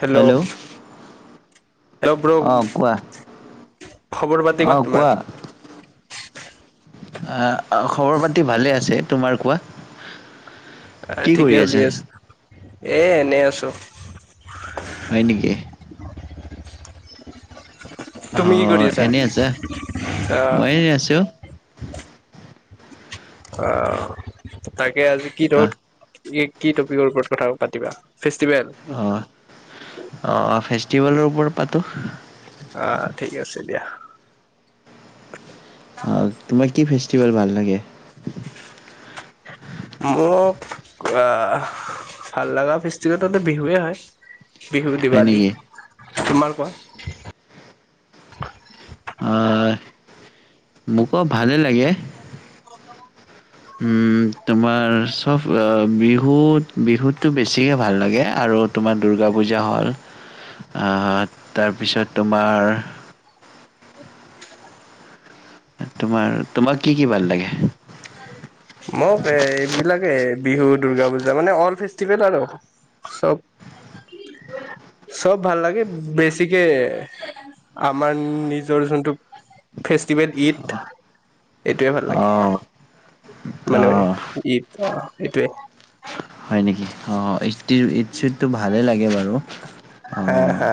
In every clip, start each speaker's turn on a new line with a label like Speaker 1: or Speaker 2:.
Speaker 1: Hello hello bro,
Speaker 2: অঁ কোৱা
Speaker 1: খবৰ পাতি কোৱা তোমাৰ?
Speaker 2: আহ খবৰ পাতি ভালে আছে, তোমাৰ কোৱা? কি
Speaker 1: ঠিকে
Speaker 2: কৰি
Speaker 1: হল
Speaker 2: আছা
Speaker 1: দিয়াচো। এ, এনেই আছো।
Speaker 2: হয় নেকি?
Speaker 1: তুমি কি
Speaker 2: আহ
Speaker 1: কৰি
Speaker 2: এনেই আছা।
Speaker 1: আহ
Speaker 2: মই এনে আছো। উ
Speaker 1: অঅঅঅ তাকে। তাকে আজি কি
Speaker 2: অঁ
Speaker 1: ধৰক। তুমি কি টপিকৰ ওপৰত কথা পাতিবা ফেষ্টিভেল?
Speaker 2: অ ফেষ্টিভেলৰ ওপৰত পাতোঁ।
Speaker 1: আহ ঠিক আছে দিয়া।
Speaker 2: অঁ তোমাৰ কি ফেষ্টিভেল ভাল লাগে?
Speaker 1: মোক আহ ভাল লগা ফেষ্টিভেলতে বিহুৱে হয়। বিহু
Speaker 2: হয়
Speaker 1: দিৱালী।
Speaker 2: নেকি
Speaker 1: তোমাৰ কোৱা?
Speaker 2: অ মোকো ভালেই লাগে তোমাৰ চব বিহুত বিহুতটো বেছিকে ভাল লাগে। আৰু তোমাৰ দুূৰ্গা পূজা হ'ল তাৰপিছত তোমাৰ। তোমাৰ তোমাক কি কি ভাল লাগে?
Speaker 1: মোক এইবিলাকে বিহু দূৰ্গা পূজা মানে অল ফেষ্টিভেল আৰু চব চব ভাল লাগে, বেছিকে আমাৰ নিজৰ যোনটো ফেষ্টিভেল ঈদ এইটোৱে ভাল লাগে।
Speaker 2: অঁ অ
Speaker 1: মানে ঈদ অ‌ এইটোৱে।
Speaker 2: অঁ ই। উ ঈদ চিদটো ভালেই লাগে বাৰু
Speaker 1: হা
Speaker 2: অঅ।
Speaker 1: হা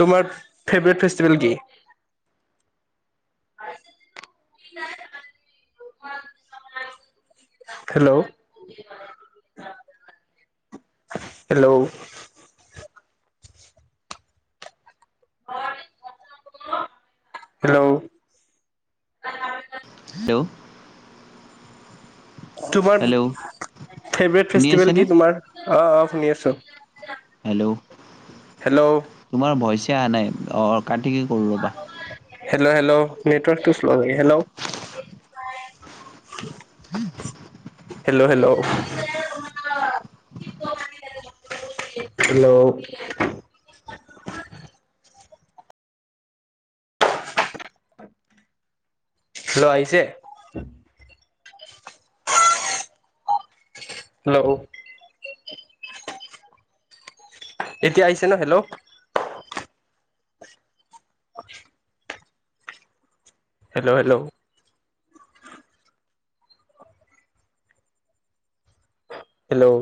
Speaker 1: তোমাৰ ফেভৰেট ফেষ্টিভেল কি? Hello hello. হেল্ল'।
Speaker 2: হেল্ল'।
Speaker 1: তোমাৰ
Speaker 2: হেল্ল'
Speaker 1: ফেভৰেট
Speaker 2: শুনি
Speaker 1: ফেষ্টিভেল
Speaker 2: আছেনে
Speaker 1: কি তোমাৰ অ? শুনি আছো।
Speaker 2: হেল্ল'
Speaker 1: হেল্ল'
Speaker 2: তোমাৰ ভইচ। অহা নাই। কাট কি কৰোঁ ৰ'ব।
Speaker 1: হেল্ল হেল্ল নেটৰ্কটো্ হেল্ল'।
Speaker 2: হম
Speaker 1: হেল্ল' হেল্ল' হেল্ল'। হেল্ল' আহিছে। হেল্ল'। এতিয়া আহিছে ন হেল্ল'। [unintelligible] Hello hello. হেল্ল'।